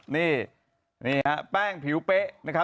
นี่นะฮะแป้งผิวเป๊ะ